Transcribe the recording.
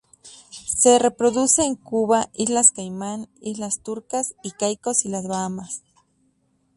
Se reproduce en Cuba, Islas Caimán, Islas Turcas y Caicos y las Bahamas.